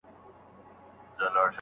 څېړونکی د خپلې تجربي یاداښتونه لیکي.